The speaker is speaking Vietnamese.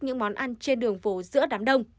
những món ăn trên đường phố giữa đám đông